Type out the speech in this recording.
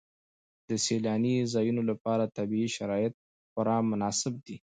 د سیلاني ځایونو لپاره طبیعي شرایط خورا مناسب دي.